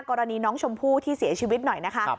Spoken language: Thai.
กรณีน้องชมพู่ที่เสียชีวิตหน่อยนะคะ